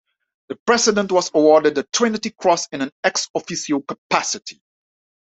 The President was awarded the Trinity Cross in an "ex officio" capacity.